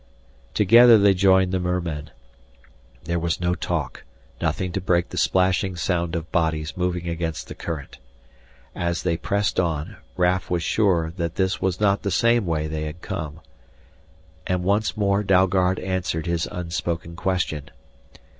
Together they joined the mermen. There was no talk, nothing to break the splashing sound of bodies moving against the current. As they pressed on, Raf was sure that this was not the same way they had come. And once more Dalgard answered his unspoken question.